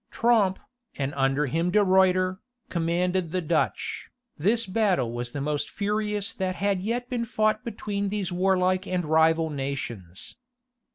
Tromp, and under him De Ruiter, commanded the Dutch. This battle was the most furious that had yet been fought between these warlike and rival nations.